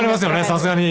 さすがに。